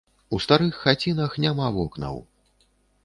У старых хацінах няма вокнаў.